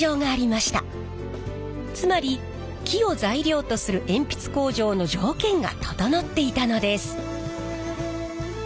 つまり木を材料とする鉛筆工場の条件が整っていたのです。